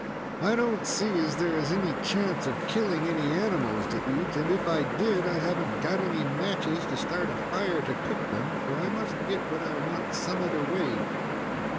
"I don't see as there is any chance of killing any animals to eat, and, if I did, I haven't got any matches to start a fire to cook them, so I must get what I want some other way."